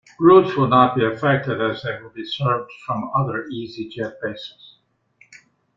Routes will not be affected as they will be served from other Easyjet bases.